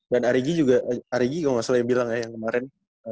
dan arigi juga arigi kalo gak salah yang bilang ya yang kemarin